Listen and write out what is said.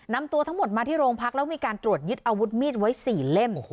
นำตัวทั้งหมดมาที่โรงพักแล้วมีการตรวจยึดอาวุธมีดไว้๔เล่ม